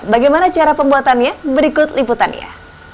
bagaimana cara pembuatannya berikut liputannya